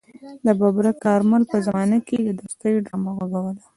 د ببرک کارمل په زمانه کې يې د دوستۍ ډرامه غږوله.